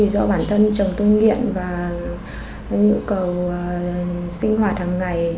do bản thân chồng tôi nghiện và nhu cầu sinh hoạt hàng ngày